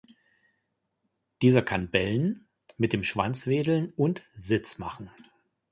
Dieser kann bellen, mit dem Schwanz wedeln und "Sitz" machen.